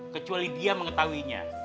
kecuali dia mengetahuinya